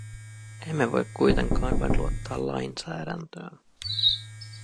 Emme voi kuitenkaan vain luottaa lainsäädäntöön.